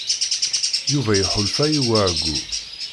Yuba iḥulfa i uɛeyyu.